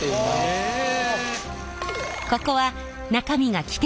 へえ。